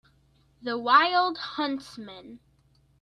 The wild huntsman